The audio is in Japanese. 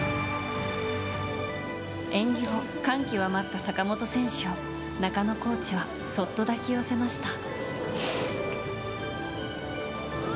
演技後、感極まった坂本選手を中野コーチはそっと抱き寄せました。